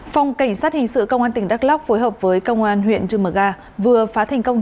phòng cảnh sát hình sự công an tỉnh đắk lóc phối hợp với công an huyện cư mờ ga vừa phá thành công